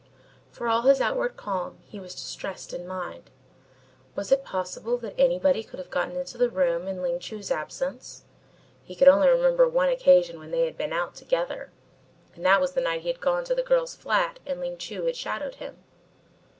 For all his outward calm, he was distressed in mind. Was it possible that anybody could have got into the room in Ling Chu's absence he could only remember one occasion when they had been out together, and that was the night he had gone to the girl's flat and Ling Chu had shadowed him.